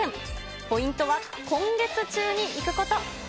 ポイントは今月中に行くこと。